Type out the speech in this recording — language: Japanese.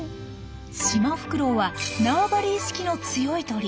シマフクロウはなわばり意識の強い鳥。